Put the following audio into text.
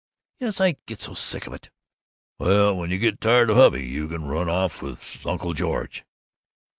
"Yes. I get so sick of it." "Well, when you get tired of hubby, you can run off with Uncle George."